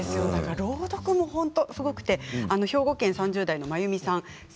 朗読もすごくて兵庫県３０代の方からです。